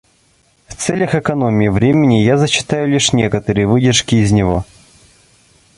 В целях экономии времени я зачитаю лишь некоторые выдержки из него.